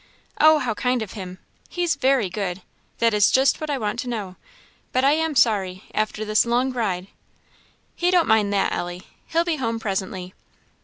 "Oh, how kind of him! he's very good; that is just what I want to know; but I am sorry, after this long ride " "He don't mind that, Ellie. He'll be home presently."